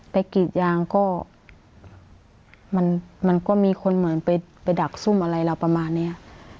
กรีดยางก็มันก็มีคนเหมือนไปดักซุ่มอะไรเราประมาณเนี้ย